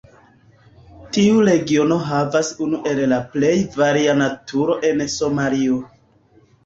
Tiu regiono havas unu el la plej varia naturo en Somalio.